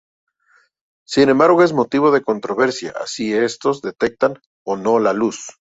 Sin embargo es motivo de controversia si estos detectan o no la luz.